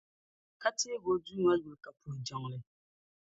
Ka teegi o Duuma yuli, ka puhi jiŋli.